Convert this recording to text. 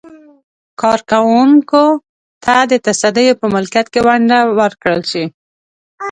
کارکوونکو ته د تصدیو په ملکیت کې ونډه ورکړل شي.